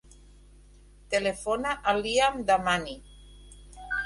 Telefona al Lian Dahmani.